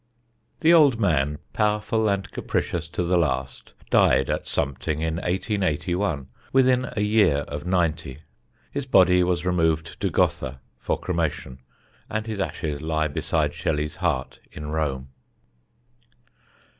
The old man, powerful and capricious to the last, died at Sompting in 1881, within a year of ninety. His body was removed to Gotha for cremation, and his ashes lie beside Shelley's heart in Rome.